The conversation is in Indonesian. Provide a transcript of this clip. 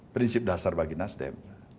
prinsip dasar bagi nasdem